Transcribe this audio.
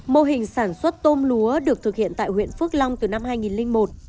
mô hình sản xuất tôm lúa được thực hiện tại huyện phước long từ năm hai nghìn một